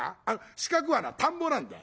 四角はな田んぼなんだよ。